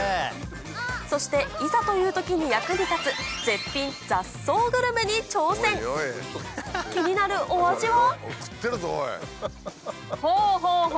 そしていざという時に役に立つ絶品雑草グルメに挑戦気になるお味は？